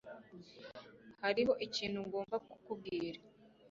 Hariho ikintu ngomba kukubwira.